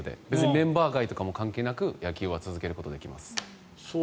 メンバー外とかも関係なく野球は続けることができます。